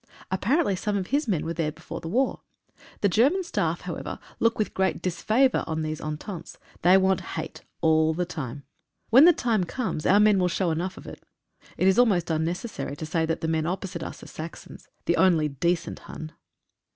Apparently some of his men were there before the war. The German staff, however, look with great disfavour on these ententes — they want hate all the time. When the time comes our men will show enough of it. It is almost unnecessary to say that the men opposite us are Saxons — the only decent Hun.